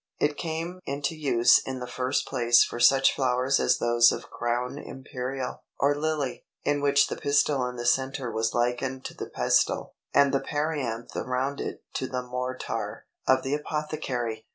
It came into use in the first place for such flowers as those of Crown Imperial, or Lily, in which the pistil in the centre was likened to the pestle, and the perianth around it to the mortar, of the apothecary.